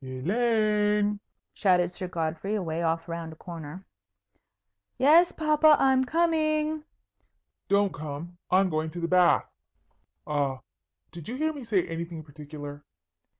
"Elaine!" shouted Sir Godfrey, away off round a corner. "Yes, papa, I'm coming." "Don't come. I'm going to the bath. A did you hear me say anything particular?"